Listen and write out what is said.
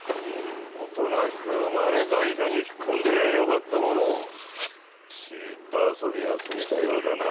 おとなしく生まれ在所に引っ込んでりゃよかったものをちいと遊びが過ぎたようだな。